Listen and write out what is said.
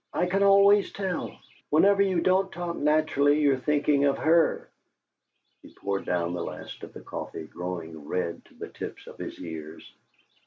"I can always tell. Whenever you don't talk naturally you're thinking of her!" He poured down the last of the coffee, growing red to the tips of his ears.